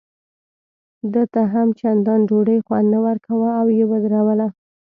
ده ته هم چندان ډوډۍ خوند نه ورکاوه او یې ودروله.